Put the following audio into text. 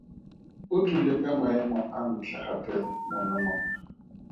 O dule ka maemo a ntlha gape monongwaga.